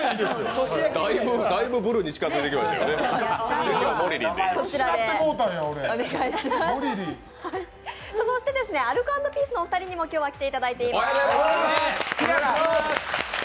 そしてアルコ＆ピースのお二人にも今日は来ていただいています。